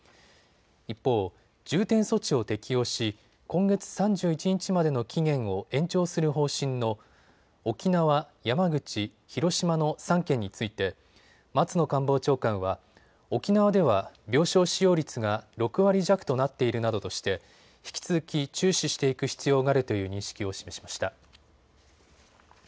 一方、重点措置を適用し、今月３１日までの期限を延長する方針の沖縄、山口、広島の３県について松野官房長官は、沖縄では病床使用率が６割弱となっているなどとして引き続き注視していく必要があるという認識を示しました。